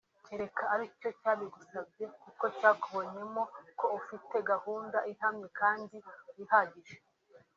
cyereka ari cyo cyabigusabye kuko cyakubonyemo ko ufite gahunda ihamye kandi wihagije